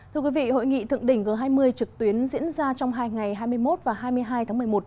thưa quý vị hội nghị thượng đỉnh g hai mươi trực tuyến diễn ra trong hai ngày hai mươi một và hai mươi hai tháng một mươi một